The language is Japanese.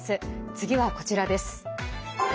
次はこちらです。